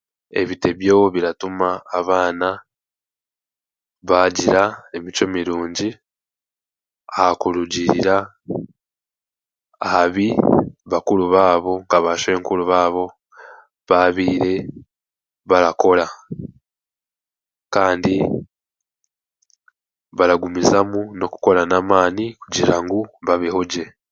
Ebitebyo biratuma abaana baagira emicwe mirungi aha kurugiirira aha bi bakuru baabo na baashwenkuru baabo baabaire barakora kandi baragumizamu n'okukora n'amaani kugira ngu babehogye